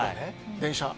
電車